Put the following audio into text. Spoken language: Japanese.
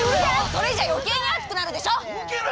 それじゃ余計に暑くなるでしょ！